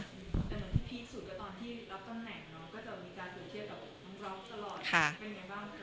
แต่เหมือนที่ที่สูงก็ตอนที่รับตำแหน่งเนอะก็จะมีการเจอเทียบแบบมันรับตลอด